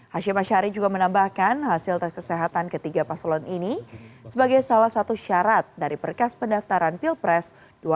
hashim ashari juga menambahkan hasil tes kesehatan ketiga pasangan calon presiden ini sebagai salah satu syarat dari perkas pendaftaran pilpres dua ribu dua puluh empat dua ribu dua puluh sembilan